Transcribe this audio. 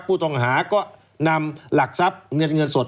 ผู้ต้องหาก็นำหลักทรัพย์เงินเงินสด